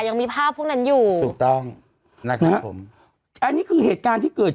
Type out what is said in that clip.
ยังมีภาพพวกนั้นอยู่ถูกต้องนะครับผมอันนี้คือเหตุการณ์ที่เกิด